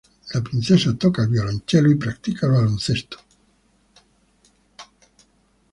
La princesa toca el violonchelo y practica el baloncesto.